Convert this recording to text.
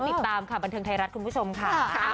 ติดตามค่ะบันเทิงไทยรัฐคุณผู้ชมค่ะ